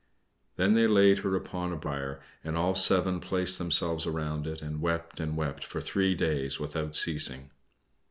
Then they laid her upon a bier, and all seven placed themselves around it, and wept and wept for three days without ceasing.